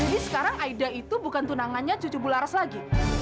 jadi sekarang aida itu bukan tunangannya cucu bularas lagi